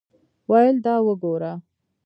ویل دا وګوره.